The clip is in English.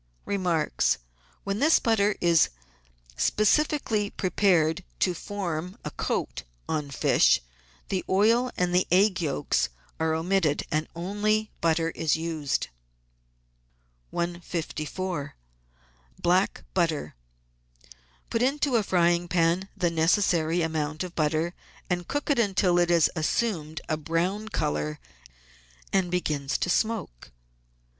Remarks. — When this butter is specially prepared to form a. coat on fish, the oil and the egg yolks are omitted and only butter is used. 58 GUIDE TO MODERN COOKERY 154— BLACK BUTTER Put into a frying pan the necessary amount of butter, and cook it until it has assumed a brown colour and begins to smoke.